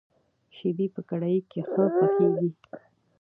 شيدې په کړايي کي ښه پخېږي.